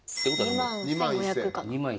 ２万１，５００回かな？